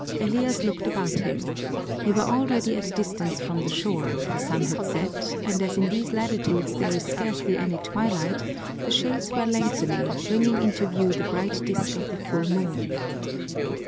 Elias looked about him. They were already at a distance from the shore, the sun had set, and as in these latitudes there is scarcely any twilight, the shades were lengthening, bringing into view the bright disk of the full moon.